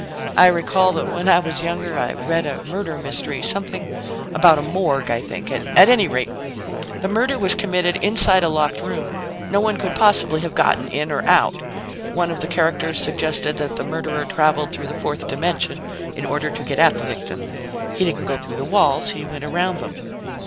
I recall that when I was younger, I read a murder mystery something about a morgue, I think. At any rate, the murder was committed inside a locked room; no one could possibly have gotten in or out. One of the characters suggested that the murderer traveled through the fourth dimension in order to get at the victim. He didn't go through the walls; he went around them."